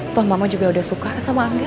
toh mama juga udah suka sama angga